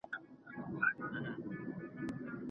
څنګه د یوه انسان قوي هوډ د هغه کمزورۍ له منځه وړي؟